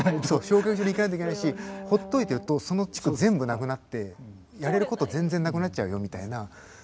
そう焼却場に行かないといけないしほっといてるとその地区全部無くなってやれること全然無くなっちゃうよみたいな。